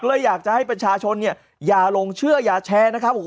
ก็อยากจะให้ประชาชนอย่างลงเชื่อย่าแชร์นะครับ